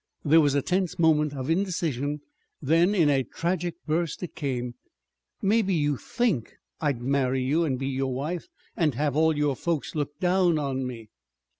There was a tense moment of indecision. Then in a tragic burst it came. "Maybe you think I'd marry you, and be your wife, and have all your folks look down on me!"